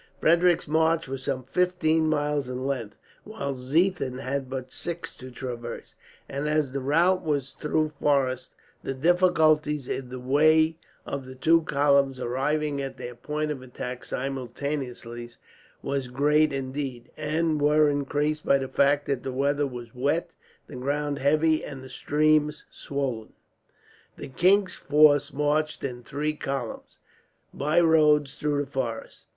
Frederick's march was some fifteen miles in length, while Ziethen had but six to traverse; and as the route was through forests, the difficulties in the way of the two columns arriving at their point of attack, simultaneously, were great indeed; and were increased by the fact that the weather was wet, the ground heavy, and the streams swollen. The king's force marched in three columns, by roads through the forest.